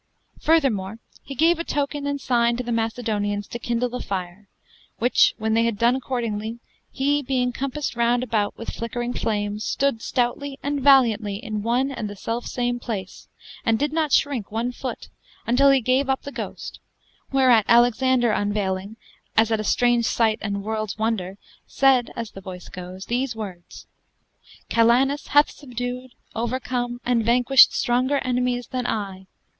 Furthermore he gave a token and signe to the Macedonians to kindle the fire, which, when they had done accordingly, hee beeing compassed round about with flickering flames, stoode stoutly and valiauntly in one and the selfe same place, and dyd not shrincke one foote, until hee gave up the ghost, whereat Alexander unvailyng, as at a rare strange sight and worldes wonder, saide (as the voice goes) these words: "Calanus hath subdued, overcome, and vanquished stronger enemies than I.